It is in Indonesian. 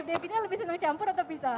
cfdb nya lebih senang campur atau pisah